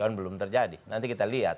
kan belum terjadi nanti kita lihat